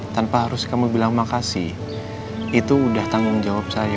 tanpa harus kamu bilang makasih itu udah tanggung jawab saya